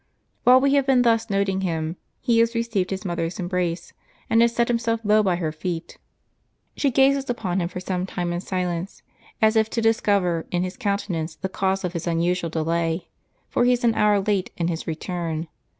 * While we have been thus noting him, he has received his mother's embrace, and has sat himself low by her feet. She gazes upon him for some time in silence, as if to discover in his countenance the cause of his unusual delay, for he is an hour late in his return.